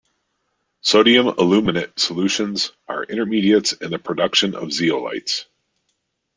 Sodium aluminate solutions are intermediates in the production of zeolites.